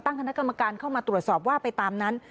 คณะกรรมการเข้ามาตรวจสอบว่าไปตามนั้น